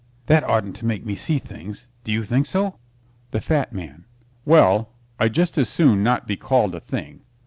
That oughtn't to make me see things; do you think so? THE FAT MAN Well, I'd just as soon not be called a thing.